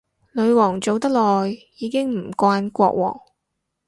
女皇做得耐，已經唔慣國王